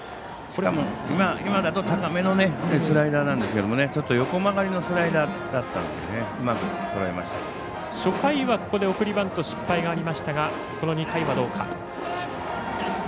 これは、今だと高めのスライダーなんですけどちょっと横曲がりのスライダーだったのを初回はここで送りバント失敗がありましたが２回はどうか。